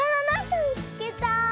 すみつけた。